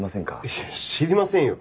いや知りませんよ。